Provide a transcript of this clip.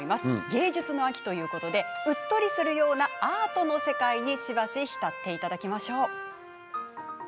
芸術の秋ということでうっとりするようなアートの世界にしばし浸っていただきましょう。